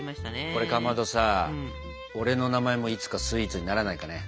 これかまどさ俺の名前もいつかスイーツにならないかね。